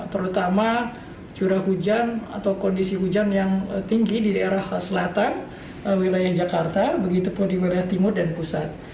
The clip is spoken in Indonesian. terutama curah hujan atau kondisi hujan yang tinggi di daerah selatan wilayah jakarta begitu pun di wilayah timur dan pusat